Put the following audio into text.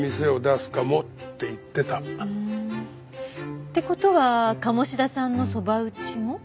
って事は鴨志田さんのそば打ちも。